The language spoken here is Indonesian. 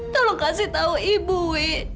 tolong kasih tahu ibu wi